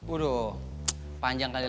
udah panjang kali lagi